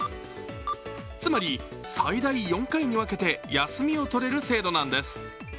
つまり最大４回に分けて休みを取れる制度なんです。